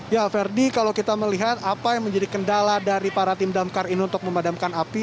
ya verdi kalau kita melihat apa yang menjadi kendala dari para tim damkar ini untuk memadamkan api